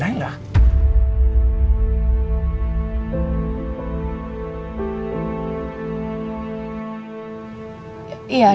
iya ada sepasang suami istri yang mau